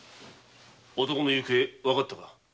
男の行方わかったか？